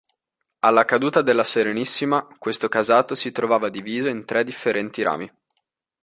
Alla caduta della Serenissima, questo casato si trovava diviso in tre differenti rami.